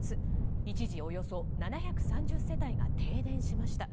一時およそ７３０世帯が停電しました。